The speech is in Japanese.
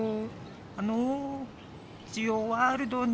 ・あのジオワールドに。